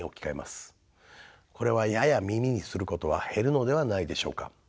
これはやや耳にすることは減るのではないでしょうか。